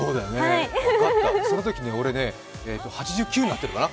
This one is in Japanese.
分かった、そのときね、俺８９になってるかな。